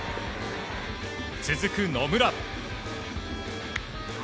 続く、野村。